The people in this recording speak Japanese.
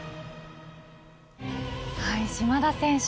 島田選手